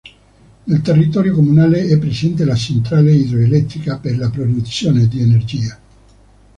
Nel territorio comunale è presente la centrale idroelettrica per la produzione di energia.